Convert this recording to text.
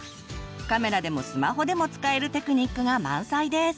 カメラでもスマホでも使えるテクニックが満載です！